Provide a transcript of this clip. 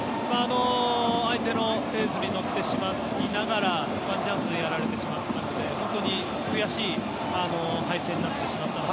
相手のペースに乗ってしまいながらワンチャンスでやられてしまったので本当に悔しい敗戦になってしまったなと。